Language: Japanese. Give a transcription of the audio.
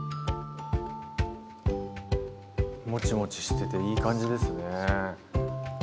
もちもちしてていい感じですね。